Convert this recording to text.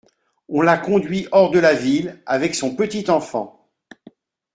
On la conduit hors de la ville, avec son petit enfant.